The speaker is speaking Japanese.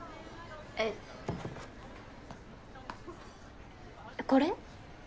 えっこれ？